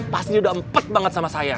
pasti dia udah empet banget sama saya